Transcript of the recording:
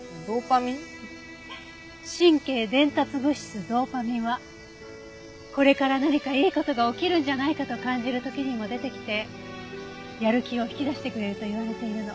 神経伝達物質ドーパミンはこれから何かいい事が起きるんじゃないかと感じる時にも出てきてやる気を引き出してくれるといわれているの。